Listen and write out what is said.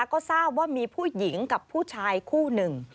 ก็ทราบว่ามีผู้หญิงกับผู้ชายคู่หนึ่ง